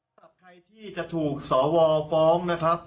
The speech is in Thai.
สำหรับใครที่จะถูกสวฟ้องนะครับ